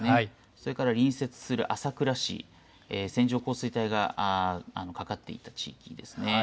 それから隣接する朝倉市、線状降水帯がかかっていた地域ですね。